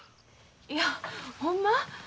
いやほんま？